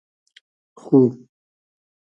خو